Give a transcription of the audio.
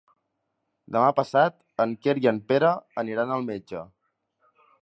Demà passat en Quer i en Pere aniran al metge.